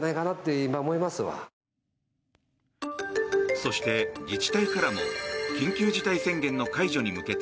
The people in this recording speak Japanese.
そして、自治体からも緊急事態宣言の解除に向けて